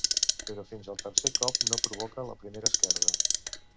Però fins al tercer cop no provoca la primera esquerda.